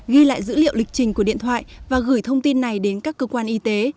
ghi lại dữ liệu lịch trình của điện thoại và gửi thông tin này đến các cơ quan y tế